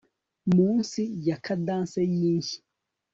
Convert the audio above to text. Munsi ya cadence yinshyi